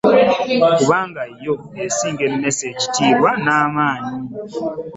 Kubanga yo esinga emesse ekitibwa n'amaanyi .